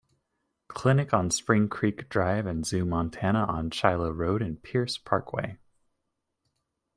Clinic on Spring Creek Drive and Zoo Montana on Shiloh Road and Pierce Parkway.